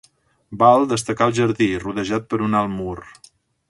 Val destacar el jardí, rodejat per un alt mur.